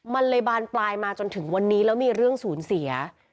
มันเลยบานปลายมาจนถึงวันนี้แล้วมีเรื่องศูนย์เสีย